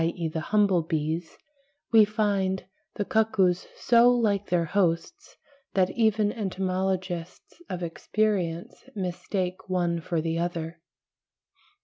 e. the humble bees) we find the cuckoos so like their hosts (pl. D, 30, 31) that even entomologists of experience mistake one for the other.